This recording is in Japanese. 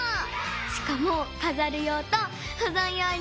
しかもかざるようとほぞんように２さつ！